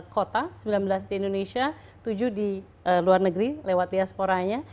empat kota sembilan belas di indonesia tujuh di luar negeri lewat diasporanya